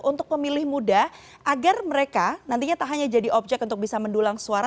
untuk pemilih muda agar mereka nantinya tak hanya jadi objek untuk bisa mendulang suara